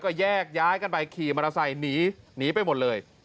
ก็แยกย้ายกันไปขี่มอเตอร์ไซค์หนีไปหมดเลย